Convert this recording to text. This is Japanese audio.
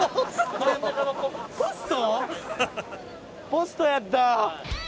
ポストやった！